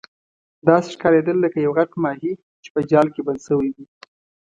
داسې ښکاریدل لکه یو غټ ماهي چې په جال کې بند شوی وي.